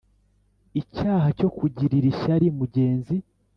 icyaha cyo kugirira ishyari mugenzi